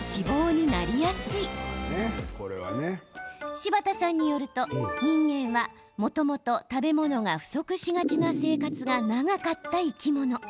柴田さんによると人間はもともと食べ物が不足しがちな生活が長かった生き物。